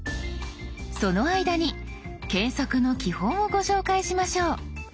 その間に検索の基本をご紹介しましょう。